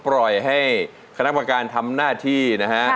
ไปให้ท่านการณ์ทำหน้าที่